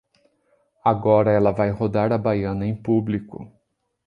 Agora ela vai rodar a baiana em público